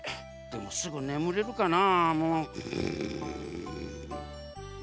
でもすぐねむれるかな。